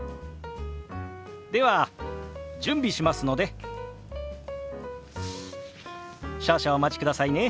では準備しますので少々お待ちくださいね。